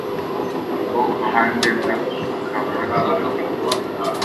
ubwo uruhande rwe rukaba rutsinzwe